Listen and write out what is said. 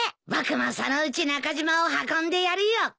僕もそのうち中島を運んでやるよ。